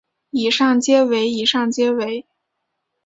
以上皆为以上皆为